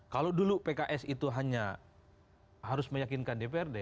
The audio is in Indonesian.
kalau dulu pks itu hanya harus meyakinkan di prd